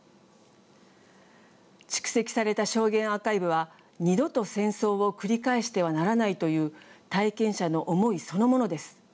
蓄積された証言アーカイブは二度と戦争を繰り返してはならないという体験者の思いそのものです。